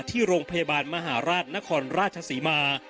ที่โรงพยาบาลมหาราชนครราชศรีมา